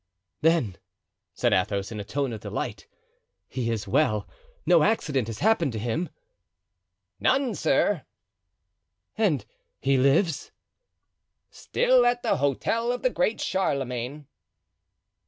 "Then," said Athos in a tone of delight, "he is well? no accident has happened to him?" "None, sir." "And he lives?" "Still at the Hotel of the Great Charlemagne."